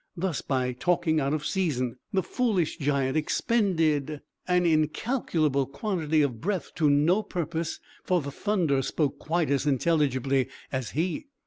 Thus, by talking out of season, the foolish giant expended an incalculable quantity of breath to no purpose; for the thunder spoke quite as intelligibly as he.